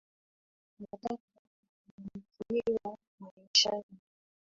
Anataka kufanikiwa maishani